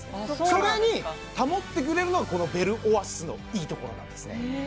それに保ってくれるのがベルオアシスのいいところなんですね